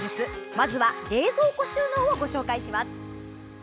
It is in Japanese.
まずは冷蔵庫収納をご紹介します。